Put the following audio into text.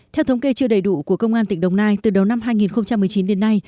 theo thống kê chưa đầy đủ của công an tỉnh đồng nai từ đầu năm hai nghìn một mươi chín đến nay